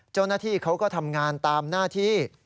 เจ้าหน้าที่เขาก็ทำงานตามหน้าที่